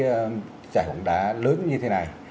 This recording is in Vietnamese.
về cái giải bóng đá lớn như thế này